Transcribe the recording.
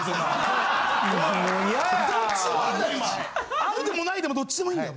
あるでもないでもどっちでもいいんだよ。